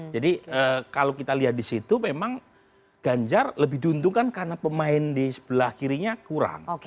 jadi kalau kita lihat di situ memang ganjar lebih diuntungkan karena pemain di sebelah kirinya kurang